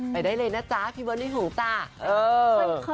ไปได้เลยนะจ้าพี่เบิร์ดไม่หงุกจ้า